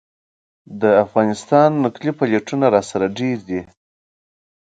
د افغانستان نقلي پلېټونه راسره ډېر دي.